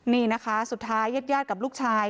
นี่นะคะสุดท้ายเย็ดกับลูกชาย